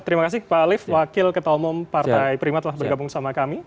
terima kasih pak alif wakil ketua umum partai prima telah bergabung sama kami